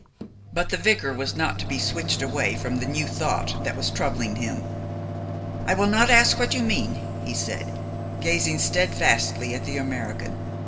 But the vicar was not to be switched away from the new thought that was troubling him. "I will not ask what you mean," he said, gazing steadfastly at the American.